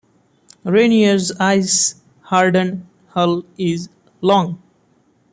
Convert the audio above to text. "Rainier"s ice-hardened hull is long.